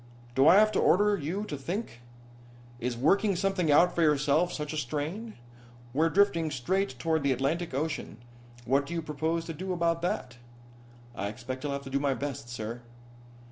Do I have to order you to think? Is working something out for yourself such a strain? We're drifting straight toward the Atlantic Ocean. What do you propose to do about that?" "I expect I'll have to do my best, sir."